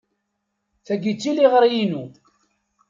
Tagi d tiliɣri-inu.